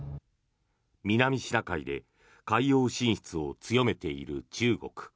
南シナ海で海洋進出を強めている中国。